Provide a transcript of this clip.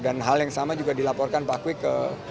dan hal yang sama juga dilaporkan pak kwi ke